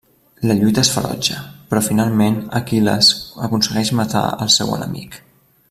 La lluita és ferotge, però finalment Aquil·les aconsegueix matar el seu enemic.